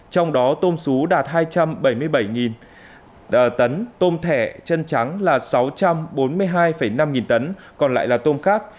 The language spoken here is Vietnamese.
trong đó tôm sú đạt hai trăm bảy mươi bảy tấn tôm thẻ chân trắng là sáu trăm bốn mươi hai năm nghìn tấn còn lại là tôm khác